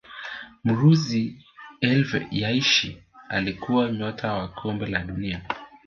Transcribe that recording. mrusi elev Yashin Alikuwa nyota wa kombe la dunia